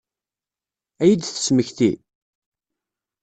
Ad iyi-d-temmekti?